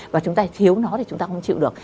và chúng ta thiếu nó thì chúng ta không chịu được